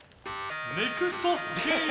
ネクストヒント！